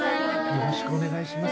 よろしくお願いします。